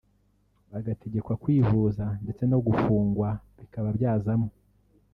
agategekwa kwivuza ndetse no gufungwa bikaba byazamo